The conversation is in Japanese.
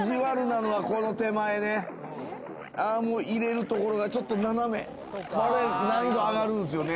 これアームを入れるところがちょっと斜めこれ難易度上がるんすよね